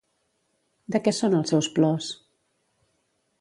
De què són els seus plors?